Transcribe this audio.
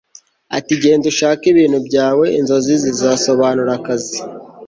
ati genda ushake ibintu byawe 'inzozi zisobanura akazi